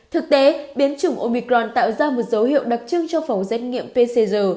thực tế biến chủng omicron tạo ra một dấu hiệu đặc trưng cho phòng xét nghiệm pcr